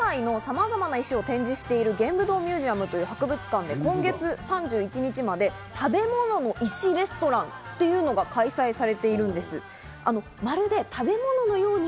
世界の様々な石を展示している玄武洞ミュージアムという博物館で今月３１日まで食べ物の石レストランというのが開催されているんです。